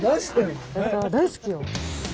大好きよ。